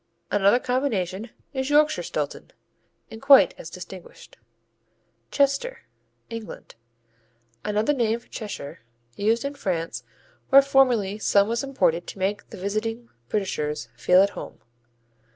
Another combination is Yorkshire Stilton, and quite as distinguished. Chester England Another name for Cheshire, used in France where formerly some was imported to make the visiting Britishers feel at home.